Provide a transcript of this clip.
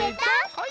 はい。